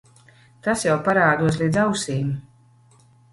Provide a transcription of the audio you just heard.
Tas jau parādos līdz ausīm.